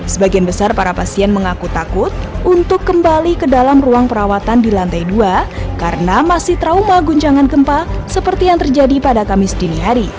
sebagian besar para pasien mengaku takut untuk kembali ke dalam ruang perawatan di lantai dua karena masih trauma guncangan gempa seperti yang terjadi pada kamis dini hari